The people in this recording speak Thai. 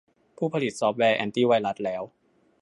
ผู้ผลิตซอฟต์แวร์แอนตี้ไวรัสแล้ว